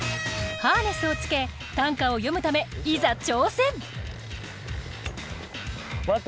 ハーネスを着け短歌を詠むためいざ挑戦。